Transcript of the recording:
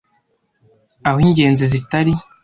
aho ingenzi zitari